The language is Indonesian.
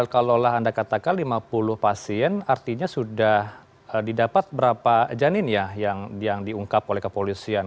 kalau lah anda katakan lima puluh pasien artinya sudah didapat berapa janin ya yang diungkap oleh kepolisian